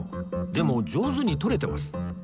でも上手に撮れてます